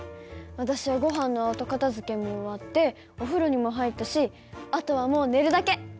私はごはんの後片づけも終わってお風呂にも入ったしあとはもう寝るだけ。